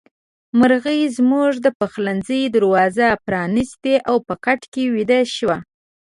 مرغۍ زموږ د پخلنځي دروازه پرانيسته او په کټ کې ويده شوه.